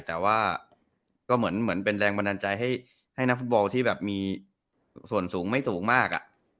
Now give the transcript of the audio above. แต่ว่าเป็นแรงบันดาลใจให้นักฟุตบอลที่มีส่วนสูงไม่สูงมาก